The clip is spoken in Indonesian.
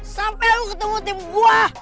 sampai lu ketemu tim gue